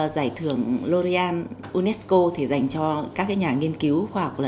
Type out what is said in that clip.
giải thưởng l oreal unesco thì dành cho các nhà nghiên cứu khoa học là nữ trẻ